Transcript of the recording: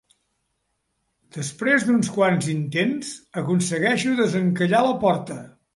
Després d'uns quants intents, aconsegueixo desencallar la porta.